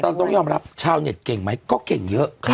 ต้องยอมรับชาวเน็ตเก่งไหมก็เก่งเยอะ